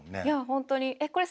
いや本当にえっ